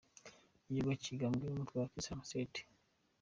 Igikorwa kigambwe n’umutwe wa Islamic State.